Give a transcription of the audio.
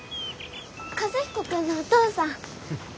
和彦君のお父さん。